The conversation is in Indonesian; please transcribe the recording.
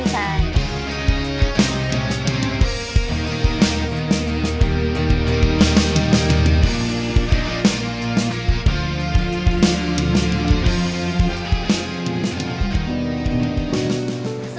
makasih luang kisah saya